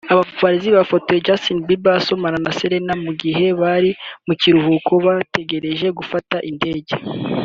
Abapaparazzi bafotoye Justin Bieber asomana na Selena mu gihe bari mu kiruhuko bategereje gufata indege